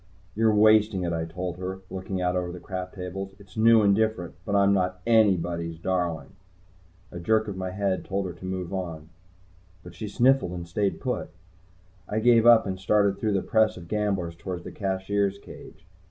"You're wasting it," I told her, looking out over the crap tables. "It's new, and different. But I'm not anybody's darling." A jerk of my head told her to move on. But she sniffled and stayed put. I gave up and started through the press of gamblers toward the Cashier's cage.